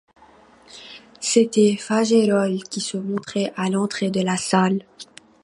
C'était Fagerolles, qui se montrait à l'entrée de la salle.